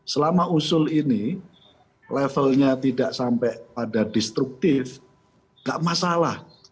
selama usul ini levelnya tidak sampai pada destruktif nggak masalah